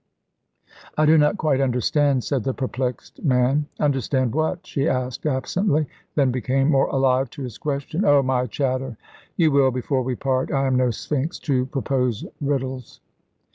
"I do not quite understand," said the perplexed man. "Understand what?" she asked absently; then became more alive to his question. "Oh, my chatter. You will, before we part. I am no sphinx to propose riddles."